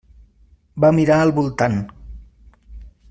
Va mirar al voltant.